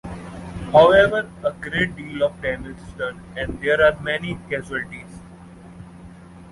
However, a great deal of damage is done and there are many casualties.